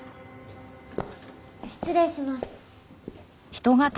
失礼します。